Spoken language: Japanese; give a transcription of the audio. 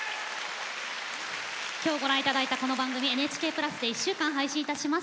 今日ご覧いただいたこの番組ＮＨＫプラスで１週間配信いたします。